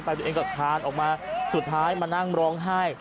ตัวเองก็คานออกมาสุดท้ายมานั่งร้องไห้